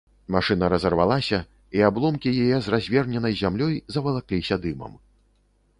Машына разарвалася, і абломкі яе, з разверненай зямлёй, завалакліся дымам.